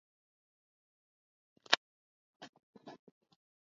ameiandikia barua icc kumsaidia kufika huko kwa kile alichokisema kuwa